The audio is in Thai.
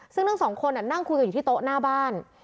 ซึ่งทั้งสองคนนั่งคุยกันอยู่ที่โต๊ะหน้าบ้าน